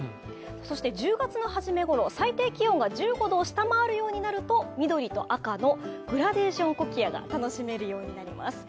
そして１０月の初めごろ、最低気温が１５度を下回るようになると緑と赤のグラデーションコキアが楽しめるようになります。